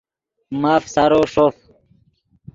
ماف سارو ݰوف